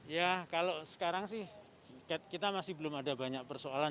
ya kalau sekarang sih kita masih belum ada banyak persoalan